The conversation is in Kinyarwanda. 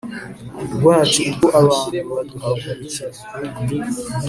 Rwacu ubwo abantu baduhagurukira